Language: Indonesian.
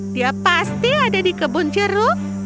dia pasti ada di kebun jeruk